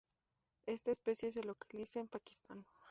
Esta especie se localiza en Pakistán.